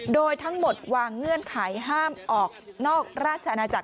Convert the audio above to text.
โดยทั้งหมดวางเงื่อนไขห้ามออกนอกราชอาณาจักร